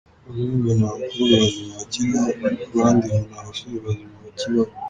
bamwe ngo nta bakobwa bazima bakiriho abandi ngo nta basore bazima bakibaho.